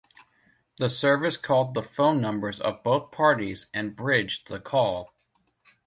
The service called the phone numbers of both parties and bridged the call.